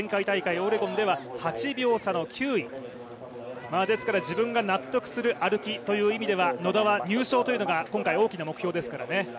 オレゴンでは、８秒差の９位、自分が納得する歩きという意味では野田は入賞というのが今回、大きな目標ですからね。